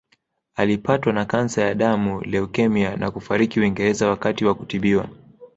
Alipatwa na kansa ya damu leukemia na kufariki Uingereza wakati wa kutibiwa